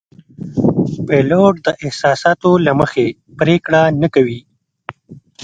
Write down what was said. پیلوټ د احساساتو له مخې پرېکړه نه کوي.